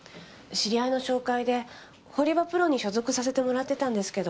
知り合いの紹介で堀場プロに所属させてもらってたんですけど。